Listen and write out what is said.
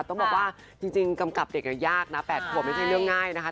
ต้องบอกว่าจริงกำกับเด็กเนี่ยยากนะแบบบอกว่าไม่ใช่เรื่องง่ายนะครับ